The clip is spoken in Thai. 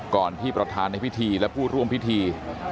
ที่ประธานในพิธีและผู้ร่วมพิธี